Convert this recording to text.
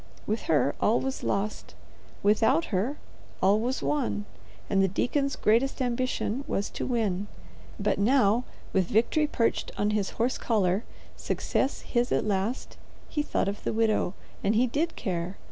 With her, all was lost; without her, all was won, and the deacon's greatest ambition was to win. But now, with victory perched on his horse collar, success his at last, he thought of the widow, and he did care.